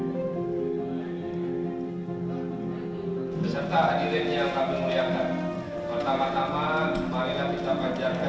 dikirimkan ke ppatk kemana